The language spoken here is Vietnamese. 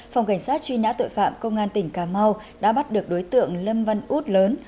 phòng cảnh sát truy nã tội phạm công an tỉnh cà mau đã bắt được đối tượng lâm văn út lớn